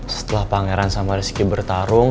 setelah pangeran sama rezeki bertarung